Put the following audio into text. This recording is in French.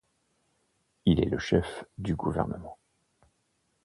Il est le chef du gouvernement.